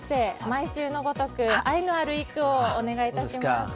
毎週のごとく愛のある一句をお願いします。